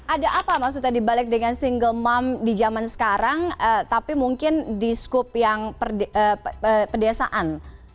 ada apa maksudnya dibalik dengan single mom di zaman sekarang tapi mungkin di skup yang pedesaan